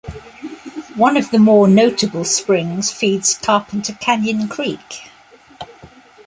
One of the more notable springs feeds Carpenter Canyon Creek.